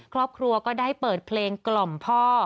ครอบครัวก็ได้เปิดเพลงกล่อมพ่อ